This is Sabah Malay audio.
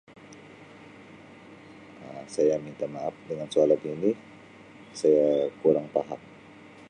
Um Saya minta maap dengan soalan ini saya kurang paham.